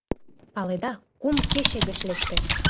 Паледа, кум кече гыч лекте!